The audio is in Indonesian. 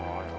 oh ya enggak